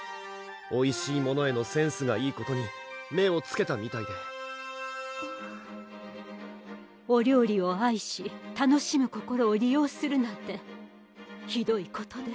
おいしいものへのセンスがいいことに目をつけたみたいで「お料理を愛し楽しむ心を利用するなんてひどいことです」